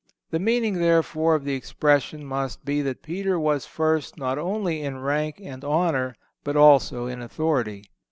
The meaning, therefore, of the expression must be that Peter was first not only in rank and honor, but also in authority.